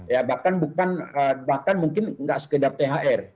ya bahkan bukan bahkan mungkin nggak sekedar thr